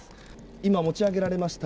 今、持ち上げられました。